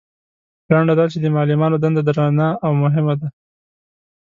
لنډه دا چې د معلمانو دنده درنه او مهمه ده.